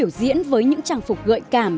để diễn với những trang phục gợi cảm